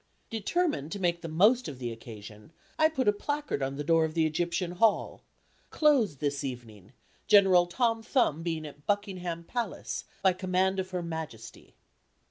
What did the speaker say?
Determined to make the most of the occasion, I put a placard on the door of the Egyptian Hall: "Closed this evening, General Tom Thumb being at Buckingham Palace by command of Her Majesty."